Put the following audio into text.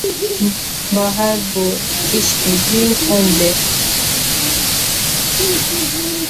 با هەر بۆ عیشقی دڵی خۆم بێ